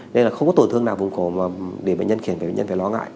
nên là không có tổn thương nào vùng cổ mà để bệnh nhân khiến bệnh nhân phải lo ngại